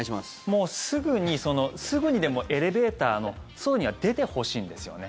もうすぐにでもエレベーターの外には出てほしいんですよね。